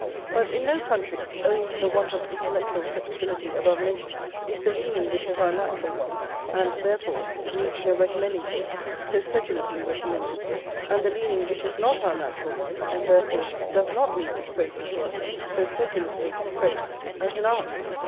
But in no country, owing to the want of intellectual flexibility above mentioned, is the leaning which is our natural one, and, therefore, needs no recommending to us, so sedulously recommended, and the leaning which is not our natural one, and, therefore, does not need dispraising to us, so sedulously dispraised, as in ours.